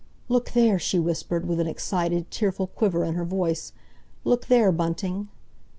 "Look there!" she whispered, with an excited, tearful quiver in her voice. "Look there, Bunting!"